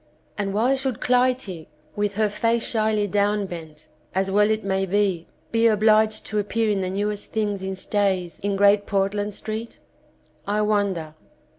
And why should Clytie, with her face shyly downbent, as well it may be, be obliged to appear in the newest things in stays, in Great Portland Street ? I wonder.